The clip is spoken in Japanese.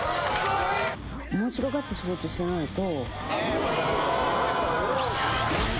面白がって仕事しないと。